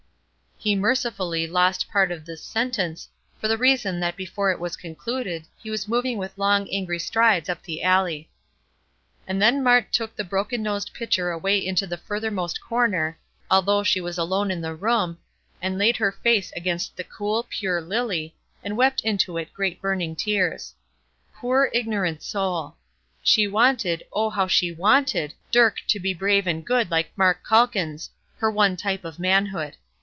He mercifully lost part of this sentence, for the reason that before it was concluded he was moving with long, angry strides up the alley. And then Mart took the broken nosed pitcher away into the furthermost corner, although she was alone in the room, and laid her face against the cool, pure lily, and wept into it great burning tears. Poor, ignorant soul! She wanted, oh, how she wanted Dirk to be brave and good like Mark Calkins her one type of manhood.